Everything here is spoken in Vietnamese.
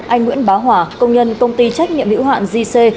anh nguyễn bá hòa công nhân công ty trách nhiệm hữu hạn gc